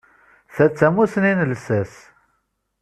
Ta d tamussni n llsas.